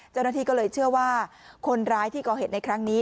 เจ้าหน้าที่ก็เลยเชื่อว่าคนร้ายที่ก่อเหตุในครั้งนี้